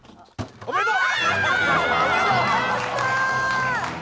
おめでとう！